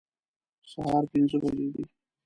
سهار پنځه بجې دي